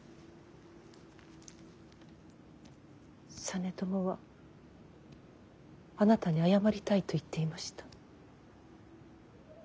実朝はあなたに謝りたいと言っていました。